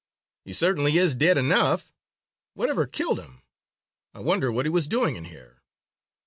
"He certainly is dead enough, whatever killed him. I wonder what he was doing in here."